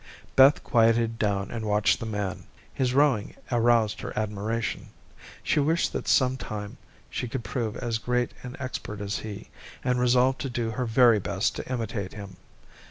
Beth quieted down and watched the man. His rowing aroused her admiration. She wished that some time she could prove as great an expert as he, and resolved to do her very best to imitate him.